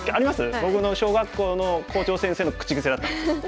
僕の小学校の校長先生の口癖だったんです。